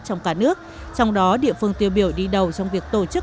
trong cả nước trong đó địa phương tiêu biểu đi đầu trong việc tổ chức